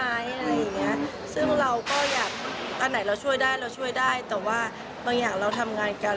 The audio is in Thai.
อะไรอย่างเงี้ยซึ่งเราก็อยากอันไหนเราช่วยได้เราช่วยได้แต่ว่าบางอย่างเราทำงานกัน